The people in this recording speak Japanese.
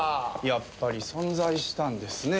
やっぱり存在したんですね